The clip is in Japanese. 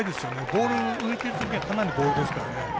ボール浮いているときはかなりボールですからね。